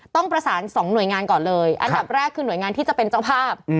ต้องประสาน๒หน่วยงานก่อนเลยอันดับแรกคือหน่วยงานที่จะเป็นเจ้าภาพ